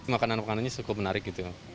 makanan makanannya cukup menarik gitu